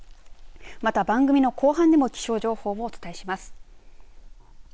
また番組の後半でも気象情報をお伝えします。